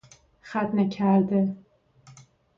ختنه کرده